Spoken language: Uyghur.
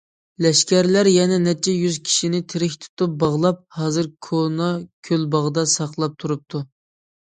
لەشكەرلەر يەنە نەچچە يۈز كىشىنى تىرىك تۇتۇپ باغلاپ، ھازىر كونا گۈلباغدا ساقلاپ تۇرۇپتۇ.